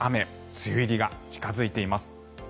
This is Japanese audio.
梅雨入りが近付いています。